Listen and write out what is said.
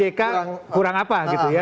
jk kurang apa gitu ya